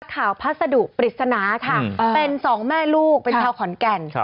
พัสดุปริศนาค่ะเป็นสองแม่ลูกเป็นชาวขอนแก่น